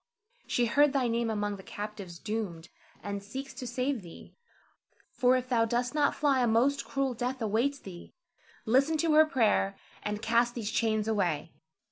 She heard thy name among the captives doomed, and seeks to save thee; for if thou dost not fly, a most cruel death awaits thee. Listen to her prayer, and cast these chains away.